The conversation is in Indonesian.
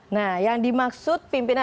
nah yang dimaksud pimpinan